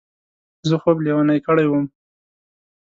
زه خوب لېونی کړی وم.